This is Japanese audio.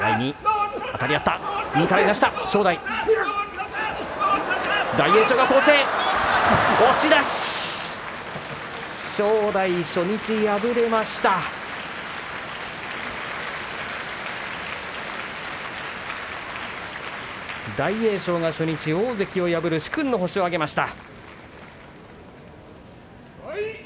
拍手大栄翔、初日大関を破る殊勲の星を挙げました。